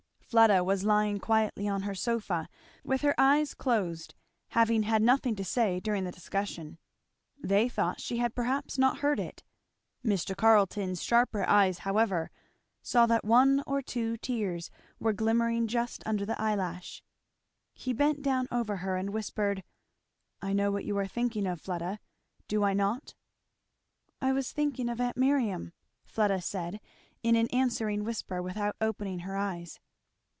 Fleda was lying quietly on her sofa, with her eyes closed, having had nothing to say during the discussion. They thought she had perhaps not heard it. Mr. Carleton's sharper eyes, however, saw that one or two tears were glimmering just under the eyelash. He bent down over her and whispered, "I know what you are thinking of Fleda, do I not?" "I was thinking of aunt Miriam," Fleda said in an answering whisper, without opening her eyes.